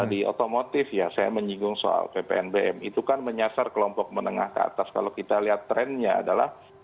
di otomotif ya saya menyinggung soal ppnbm itu kan menyasar kelompok menengah ke atas kalau kita lihat trennya adalah